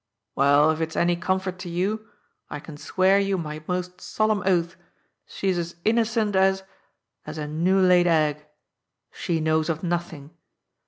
" Well, if it's any comfort to you, I can swear you my most solemn oath, she's as innocent as — as a new laid egg. She knows of nothing.